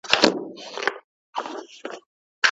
که دا احساس ولیکل سي نو لا پسي پیاوړی کیږي.